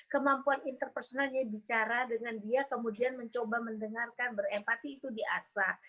kemampuan interpersonalnya bicara dengan dia kemudian mencoba mendengarkan berempati itu di asa